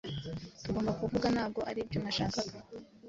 Tugomba kuvuga Ntabwo aribyo nashakaga